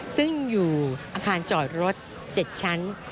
ซึ่งอยู่อาคารจอดรถ๗ชั้น